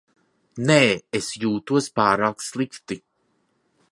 Nē, es jūtos pārāk slikti.